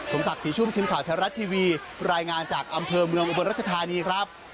สมสัตย์สถิชุมทีมข่าวทรัฐทีวีรายงานจากอำเภอเมืองอุบลรัชธารณีครับ